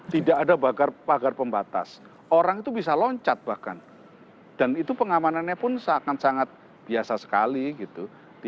tidak ada pagar pembatas orang itu bisa loncat bahkan dan itu pengamanannya pun seakan sangat biasa sekali gitu